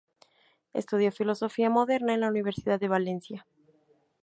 Estudió filología moderna en la Universidad de Valencia.